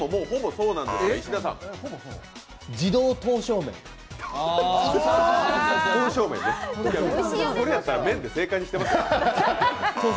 それだったら麺で正解にしてますよ。